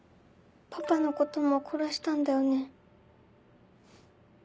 パパのことも殺したんだよね？